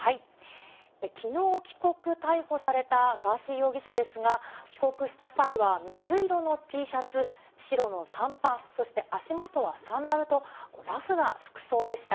きのう帰国、逮捕されたガーシー容疑者ですが、帰国した際は水色のＴシャツ、白の短パン、そして足元はサンダルと、ラフな服装でした。